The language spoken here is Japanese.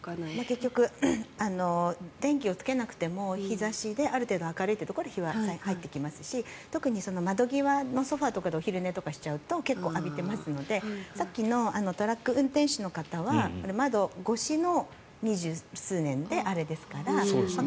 結局、電気をつけなくても日差しである程度明るいというところは日差しが入ってきますし特に窓際のソファとかでお昼寝とかしちゃうと結構、浴びてますのでさっきのトラック運転手の方は窓越しの２０数年であれですから。